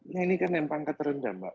nah ini kan yang pangkat rendah bang